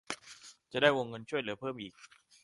จะได้วงเงินช่วยเหลือเพิ่มอีก